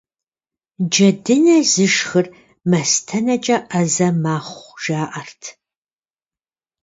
Джэдынэ зышхыр мастэнэкӀэ Ӏэзэ мэхъу, жаӀэрт.